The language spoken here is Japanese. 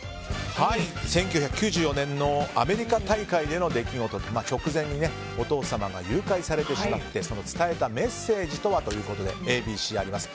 １９９４年のアメリカ大会での出来事で直前にお父様が誘拐されてしまってその伝えたメッセージとはということでＡＢＣあります。